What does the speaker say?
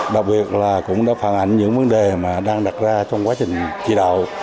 đặc biệt là cũng đã phản ảnh những vấn đề mà đang đặt ra trong quá trình chỉ đạo